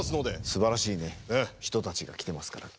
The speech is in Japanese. すばらしい人たちが来てますから。